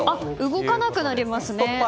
動かなくなりますね。